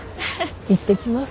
行ってきます。